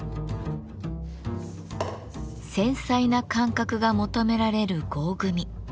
繊細な感覚が求められる合組。